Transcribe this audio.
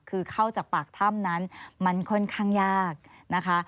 คือเข้าจากปากถ้ำนั้นมันค่อนข้างยากนะคะ